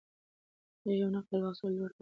هغې یو نقل واخیست او لور ته یې د چایو اشاره وکړه.